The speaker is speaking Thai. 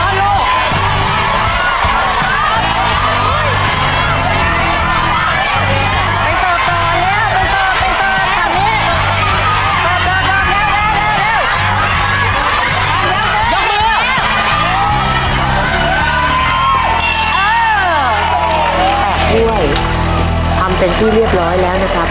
๘ถ้วยทำเป็นที่เรียบร้อยแล้วนะครับ